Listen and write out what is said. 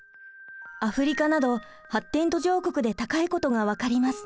アフリカなど発展途上国で高いことが分かります。